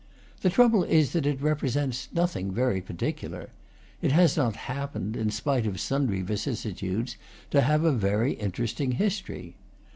The trouble is that it represents nothing very particular; it has not happened, in spite of sundry vicissitudes, to have a very interesting history.